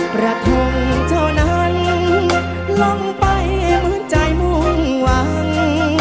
กระทงเท่านั้นลงไปเหมือนใจมุ่งหวัง